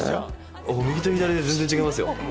右と左で全然違いますよ